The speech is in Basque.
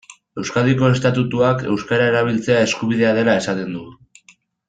Euskadiko estatutuak euskara erabiltzea eskubidea dela esaten du.